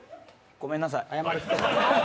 ごめんなさい。